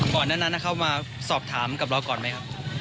ก่อนนั้นเข้ามาสอบถามกับเราก่อนไหมครับ